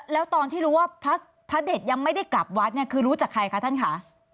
แล้วตอนที่รู้ว่าพระเด็ดยังไม่ได้กลับวัดเนี่ยคือรู้จักใครคะท่านคะ